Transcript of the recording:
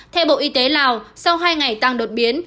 theo bộ y tế lào sau hai ngày tăng đột biến